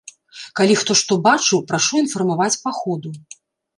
Калі хто што бачыў, прашу інфармаваць па ходу.